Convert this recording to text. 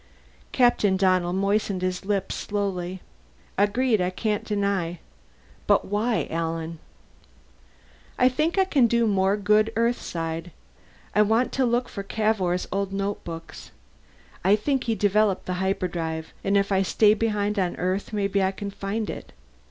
Captain Donnell moistened his lips slowly. "Agreed, I can't deny. But why, Alan?" "I think I can do more good Earthside. I want to look for Cavour's old notebooks; I think he developed the hyperdrive, and if I stay behind on Earth maybe I can find it.